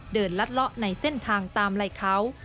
เดินลัดละในเส้นทางตามไร้เขา